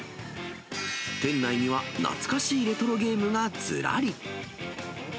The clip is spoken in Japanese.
店内には懐かしいレトロゲームがずらり。